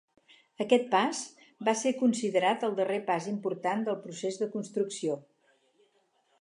Aquest pas va ser considerat el darrer pas important del procés de construcció.